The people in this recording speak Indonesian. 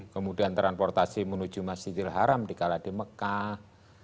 kemudian transportasi menuju masjidil haram di kala di mekah